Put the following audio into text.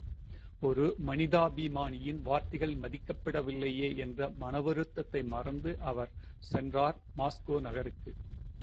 ஒரு மனிதாபிமானியின் வார்த்தைகள் மதிக்கப்படவில்லையே என்ற மன வருத்தத்தை மறந்து அவர் சென்றார் மாஸ்கோ நகருக்கு!